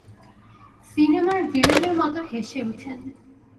সিনেমার ভিলেনের মতো হেসে ওঠেন।